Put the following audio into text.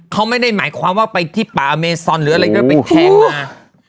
เขาไม่ได้หมายความว่าไปที่ป่าเมซอนหรืออะไรก็ไปแทงมา